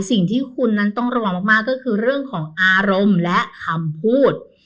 สิ่งที่คุณนั้นต้องระวังมากก็คือเรื่องของอารมณ์และคำพูด